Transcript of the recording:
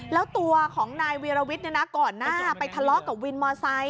แล้วตัวของนายวีรวิทย์ก่อนหน้าไปทะเลาะกับวินมอไซค